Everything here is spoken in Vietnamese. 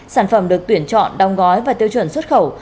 sản phẩm được tuyển chọn đóng gói và tiêu chuẩn xuất khẩu